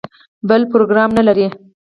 بل پروګرام نه لري.